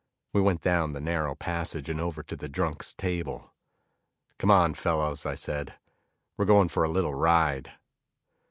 We went down the narrow passage and over to the drunks' table. "Come on, fellows," I said, "we're going for a little ride."